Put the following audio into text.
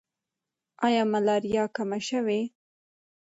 آیا ملاریا کمه شوې؟